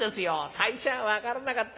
最初は分からなかった。